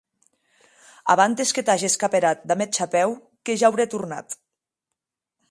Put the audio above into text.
Abantes que t'ages caperat damb eth chapèu que ja aurè tornat.